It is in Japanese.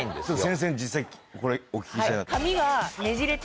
先生に実際これお聞きしたいなと。